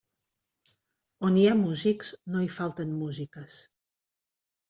On hi ha músics, no hi falten músiques.